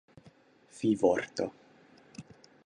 fivorto